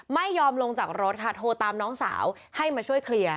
ไม่ยอมลงจากรถค่ะโทรตามน้องสาวให้มาช่วยเคลียร์